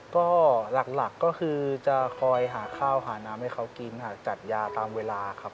ก็หลักก็คือจะคอยหาข้าวหาน้ำให้เขากินหาจัดยาตามเวลาครับ